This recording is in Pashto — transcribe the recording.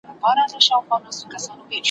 چي به چا ورکړل لوټونه غیرانونه,